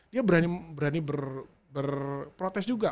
dia berani berprotes juga